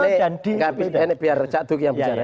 ini biar cak duk yang bicara